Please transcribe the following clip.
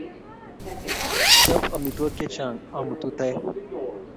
Chop amitwogik chechang', amutu toek.